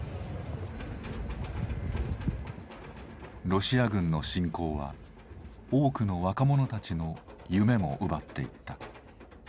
ロシア軍の侵攻は多くの若者たちの夢も奪っていった。